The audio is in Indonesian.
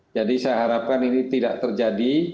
jadi saya harapkan ini tidak terjadi